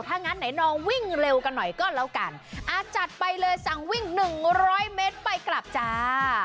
ถ้างั้นไหนนองวิ่งเร็วกันหน่อยก็แล้วกันอ่าจัดไปเลยสั่งวิ่งหนึ่งร้อยเมตรไปกลับจ้า